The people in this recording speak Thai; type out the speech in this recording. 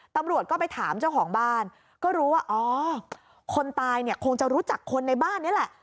ตำรวจก็ไปถามเจ้าของบ้านก็รู้ว่าอ๋อคนตายเนี่ยคงจะรู้จักคนในบ้านนี้แหละ